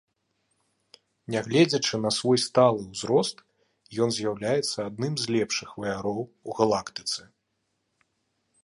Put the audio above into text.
Нягледзячы на свой сталы ўзрост, ён з'яўляецца адным з лепшых ваяроў у галактыцы.